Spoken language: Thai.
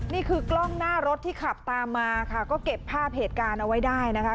นี่คือกล้องหน้ารถที่ขับตามมาค่ะก็เก็บภาพเหตุการณ์เอาไว้ได้นะคะ